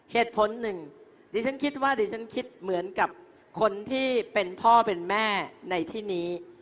เหตุผลหนึ่งดิฉันคิดว่าดิฉันคิดเหมือนกับคนที่เป็นพ่อเป็นแม่ในที่นี้